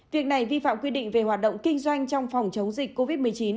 việc này vi phạm quy định về hoạt động kinh doanh trong phòng chống dịch covid một mươi chín